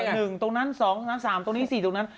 ตรงนั้น๒ตรงนั้น๓ตรงนี้๔ตรงนั้น